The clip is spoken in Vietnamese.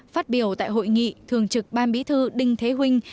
phát biểu tại hội nghị thường trực ban bí thư đinh thế huynh